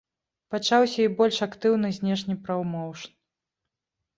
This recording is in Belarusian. Пачаўся і больш актыўны знешні прамоўшн.